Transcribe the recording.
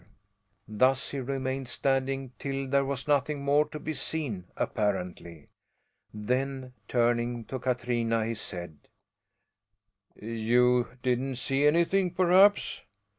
Thus he remained standing till there was nothing more to be seen, apparently. Then, turning to Katrina, he said: "You didn't see anything, perhaps?"